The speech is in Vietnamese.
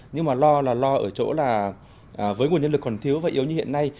nhưng mà lo là lo ở chỗ là với nguồn nhân lực còn thiếu và yếu như hiện nay